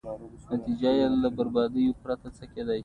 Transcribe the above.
له دريم څخه هم د دېګ د مثالې بوی ته.